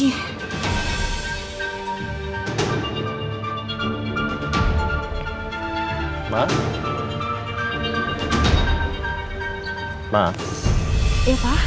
tidak ada yang bisa dipercaya